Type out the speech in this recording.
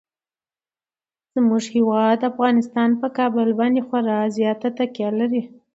زموږ هیواد افغانستان په کابل باندې خورا زیاته تکیه لري.